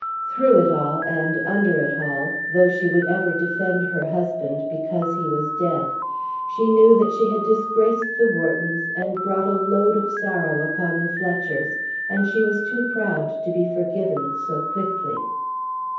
Through it all, and under it all, though she would ever defend her husband because he was dead, she knew that she had disgraced the Whartons and brought a load of sorrow upon the Fletchers, and she was too proud to be forgiven so quickly.